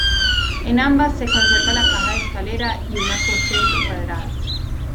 En ambas se conserva la caja de escalera y un aposento cuadrado.